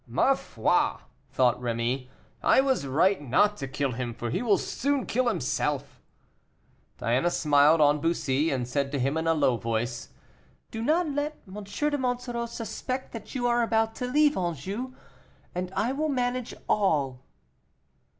"Ma foi!" thought Rémy, "I was right not to kill him, for he will soon kill himself." Diana smiled on Bussy, and said to him, in a low voice, "Do not let M. de Monsoreau suspect that you are about to leave Anjou, and I will manage all."